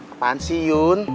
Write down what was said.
apaan sih yun